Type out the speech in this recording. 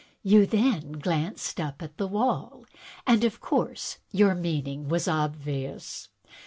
You then glanced up at the wall, and of course your meaning was obvious.